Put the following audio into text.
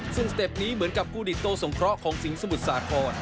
ซึ่งสเต็ปนี้เหมือนกับกูดิตโตสงเคราะห์ของสิงห์สมุทรสาคร